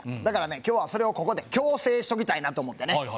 だからね今日はそれをここで矯正しときたいなと思ってね。